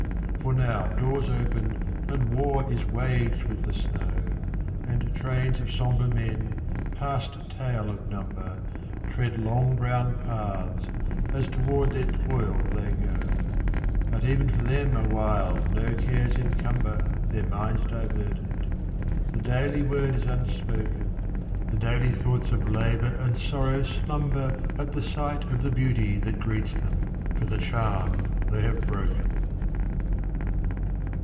For now doors open, and war is waged with the snow; And trains of sombre men, past tale of number, Tread long brown paths, as toward their toil they go: But even for them awhile no cares encumber Their minds diverted; the daily word is unspoken, The daily thoughts of labour and sorrow slumber At the sight of the beauty that greets them, for the charm they have broken.